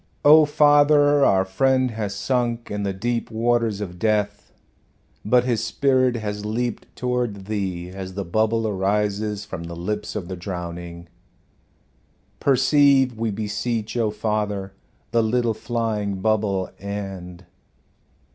"Oh, Father, our friend has sunk in the deep waters of death, but his spirit has leaped toward Thee as the bubble arises from the lips of the drowning. Perceive, we beseech, O Father, the little flying bubble, and